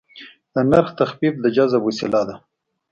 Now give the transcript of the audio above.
د نرخ تخفیف د جذب وسیله ده.